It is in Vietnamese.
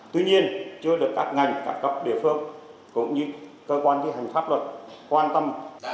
tuy nhiên chưa được các ngành các cấp địa phương cũng như cơ quan thi hành pháp luật quan tâm